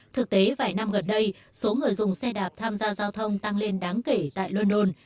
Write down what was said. thực tế vài năm gần đây số người dùng xe đạp tham gia giao thông tăng lên đáng kể tại london